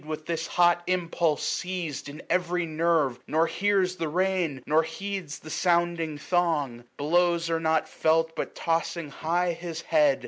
With this hot impulse seized in every nerve, 806 Nor hears the rein, nor heeds the sounding thong : Blows are not felt ; but tossing high his head.